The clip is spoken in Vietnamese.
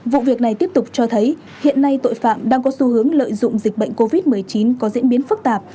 vụ việc này tiếp tục cho thấy hiện nay tội phạm đang có xu hướng lợi dụng dịch bệnh covid một mươi chín có diễn biến phức tạp